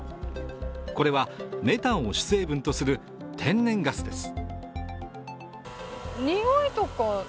これは、メタンを主成分とする天然ガスです。